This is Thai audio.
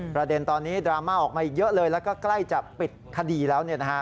ประเด็นตอนนี้ดราม่าออกมาอีกเยอะเลยแล้วก็ใกล้จะปิดคดีแล้ว